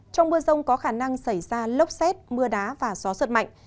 trong mưa rông có khả năng xảy ra lốc xét mưa đá và gió giật mạnh